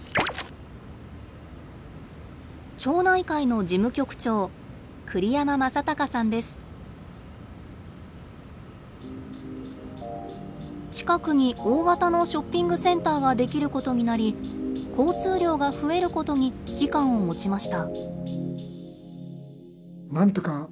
町内会の事務局長近くに大型のショッピングセンターができることになり交通量が増えることに危機感を持ちました。